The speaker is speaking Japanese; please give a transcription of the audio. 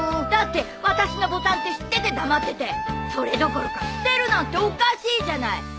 だって私のボタンって知ってて黙っててそれどころか捨てるなんておかしいじゃない！